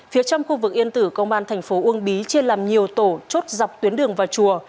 phía trong khu vực yên tử công an thành phố uông bí chia làm nhiều tổ chốt dọc tuyến đường và chùa